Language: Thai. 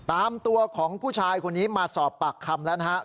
ตามตัวของผู้ชายคนนี้มาสอบปากคำแล้วนะครับ